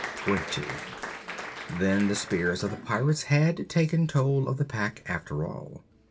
Twenty: then the spears of the pirates had taken toll of the pack, after all.